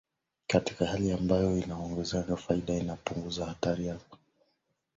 katika hali ambayo inaongeza faida inapunguza hatari za kutofaulu kwa sera